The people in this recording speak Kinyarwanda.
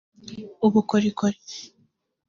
ubukorikori